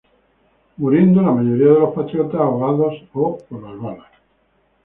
Muriendo la mayoría de los patriotas ahogados o por las balas.